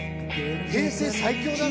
「平成最強だな」